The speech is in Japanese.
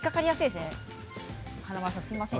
すみません。